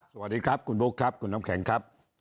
สวัสดีครับคุณบุ๊คครับคุณน้ำแข็งครับ